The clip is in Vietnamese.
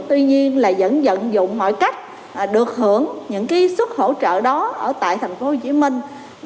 tuy nhiên là vẫn dận dụng mọi cách được hưởng những suất hỗ trợ đó ở tại thành phố hồ chí minh